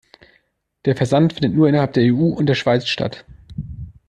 Der Versand findet nur innerhalb der EU und der Schweiz statt.